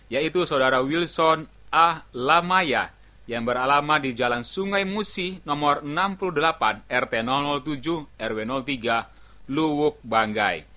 yaitu saudara wilson ah lamayah yang beralama di jalan sungai musi nomor enam puluh delapan rt tujuh rw tiga luwuk banggai